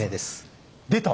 出た！